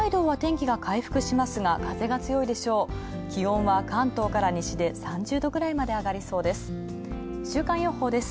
気温は関東から西で３０度くらいまで上がりそうです。